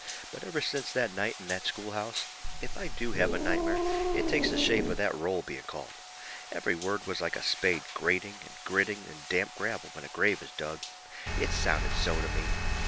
But ever since that night in that schoolhouse, if I do have a nightmare, it takes the shape of that roll being called. Every word was like a spade grating and gritting in damp gravel when a grave is dug. It sounded so to me.